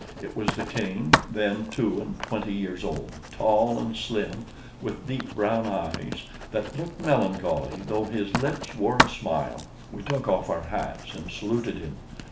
It was the King, then two and twenty years old, tall and slim, with deep brown eyes, that looked melancholy, though his lips wore a smile. We took off our hats and saluted him.